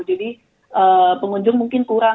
jadi pengunjung mungkin kurang